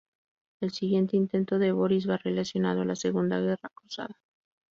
El siguiente intento de Boris va relacionado a la Segunda guerra Cruzada.